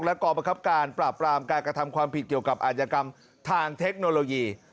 และกรประคับการปราบปรามการกระทำความผิดเกี่ยวกับอาจกรรมทางเทคโนโลยี